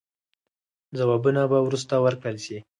ځوابونه به وروسته ورکړل سي.